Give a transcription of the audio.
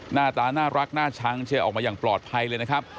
หน้าตาน่ารักน่าชังเชียร์ออกมาอย่างปลอดภัยเลยนะครับ